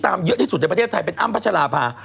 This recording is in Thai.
คนตามเยอะที่สุดในประเทศไทยเป็นอั้มพัชฌาภา